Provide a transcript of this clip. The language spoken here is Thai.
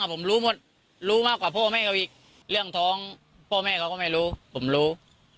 ผมรู้หมดรู้มากกว่าพ่อแม่เขาอีกเรื่องท้องพ่อแม่เขาก็ไม่รู้ผมรู้